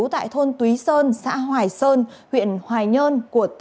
tại thôn túy sơn xã hoài sơn huyện hoài nhơn